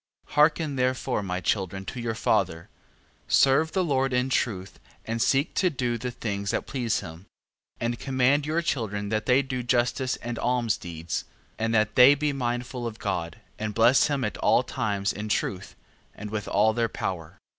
14:10. Hearken therefore, my children, to your father: serve the Lord in truth, and seek to do the things that please him: 14:11. And command your children that they do justice and almsdeeds, and that they be mindful of God, and bless him at all times in truth, and with all their power.